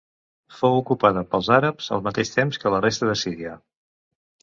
Fou ocupada pels àrabs al mateix temps que la resta de Síria.